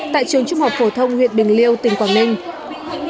tại trường trung học phổ thông huyện bình liêu tỉnh quảng ninh